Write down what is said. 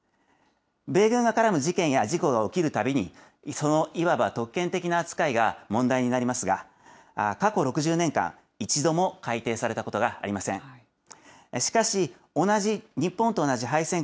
米軍が絡む事件や事故が起きるたびに、そのいわば特権的な扱いが問題になりますが、過去６０年間、一度も改定されたことがありません。